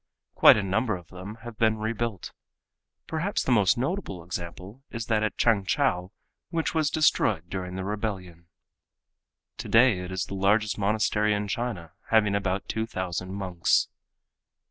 Quite a number of them have been rebuilt. Perhaps the most notable example is that at Changchow which was destroyed during the rebellion. Today it is the largest monastery in China, having about two thousand monks.